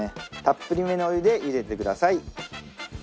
たっぷりめのお湯でゆでてください。